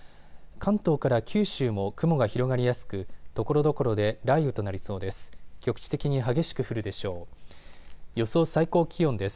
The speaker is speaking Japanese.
関東から九州も雲が広がりやすくところどころで雷雨となりそうです。